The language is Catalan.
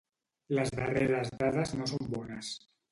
Les darreres dades no són bones.